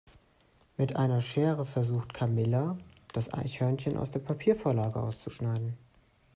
Mit einer Schere versucht Camilla das Eichhörnchen aus der Papiervorlage auszuschneiden.